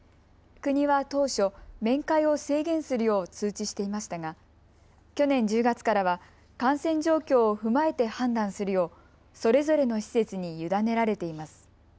国は当初、面会を制限するよう通知していましたが、去年１０月からは感染状況を踏まえて判断するようそれぞれの施設に委ねられています。